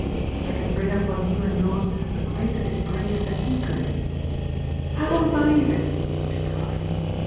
I can bring upon you and yours a greater disgrace than he could." "I won't believe it," she cried.